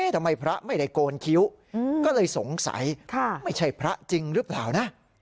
ทำไมพระไม่ได้โกนคิ้วก็เลยสงสัยไม่ใช่พระจริงหรือเปล่านะ